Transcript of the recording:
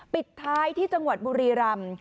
ปิดท้ายที่จังหวัดบุรีรำ